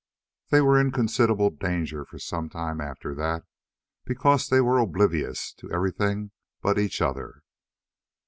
They were in considerable danger for some time after that, because they were oblivious to everything but each other.